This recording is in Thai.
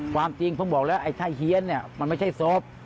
ความจริงเพิ่งบอกแล้วไอ้ไทยเฮียนมันไม่ใช่ศพ